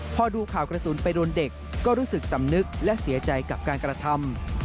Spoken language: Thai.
พอดูข่าวกระสุนไปโดนเด็กก็รู้สึกสำนึกและเสียใจกับการกระทำ